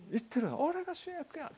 俺が主役やと。